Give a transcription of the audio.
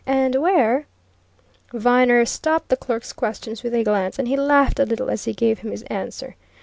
And where " Viner stopped the clerk's questions with a glance, and he laughed a little as he gave him his answer.